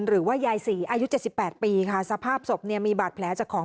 หรือว่ายายศรีอายุเจ็ดสิบแปดปีค่ะสภาพศพเนี่ยมีบาดแผลจากของ